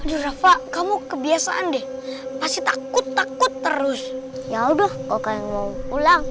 aduh rafa kamu kebiasaan deh pasti takut takut terus ya udah kalau mau pulang